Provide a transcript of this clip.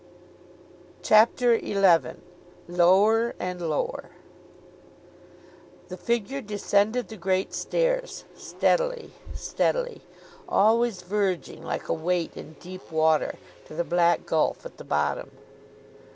CHAPTER XI LOWER AND LOWER THE figure descended the great stairs, steadily, steadily; always verging, like a weight in deep water, to the black gulf at the bottom.